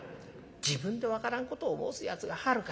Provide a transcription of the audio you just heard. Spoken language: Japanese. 「自分で分からんことを申すやつがあるか。